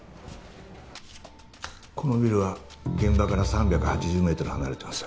このビルは現場から３８０メートル離れています。